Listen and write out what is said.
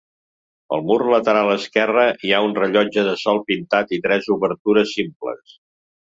Al mur lateral esquerre hi ha un rellotge de sol pintat i tres obertures simples.